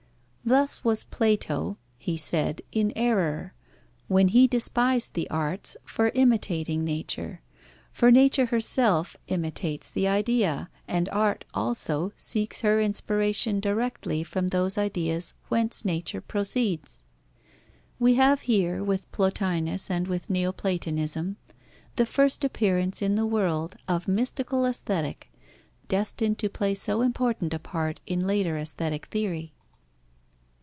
Thus was Plato (he said) in error, when he despised the arts for imitating nature, for nature herself imitates the idea, and art also seeks her inspiration directly from those ideas whence nature proceeds. We have here, with Plotinus and with Neoplatonism, the first appearance in the world of mystical Aesthetic, destined to play so important a part in later aesthetic theory.